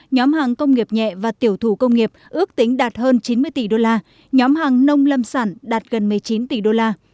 nhóm hàng công nghiệp nhẹ và tiểu thủ công nghiệp ước tính đạt hơn chín mươi tỷ đô la nhóm hàng nông lâm sản đạt gần một mươi chín tỷ đô la